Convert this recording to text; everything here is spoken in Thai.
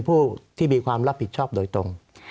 สวัสดีครับทุกคน